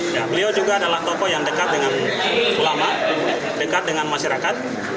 ya beliau juga adalah tokoh yang dekat dengan ulama dekat dengan masyarakat